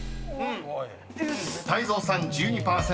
［泰造さん１２％。